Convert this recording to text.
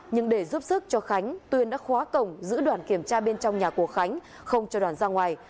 nhưng để giúp sức cho khánh tuyên đã khóa cổng giữ đoàn kiểm tra bên trong nhà của khánh không cho đoàn ra ngoài